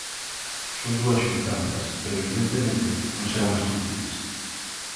Son dúas xuntanzas, pero, evidentemente, non serán as últimas.